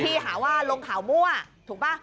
หาว่าลงข่าวมั่วถูกป่ะ